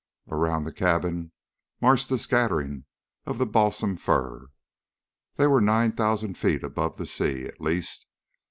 Around the cabin marched a scattering of the balsam fir. They were nine thousand feet above the sea, at least.